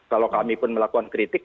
kalau kami pun melakukan kritik